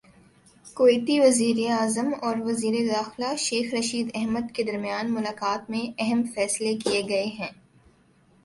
کویتی وزیراعظم اور وزیر داخلہ شیخ رشید احمد کے درمیان ملاقات میں اہم فیصلے کیے گئے ہیں